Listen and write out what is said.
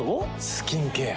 スキンケア。